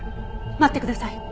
待ってください！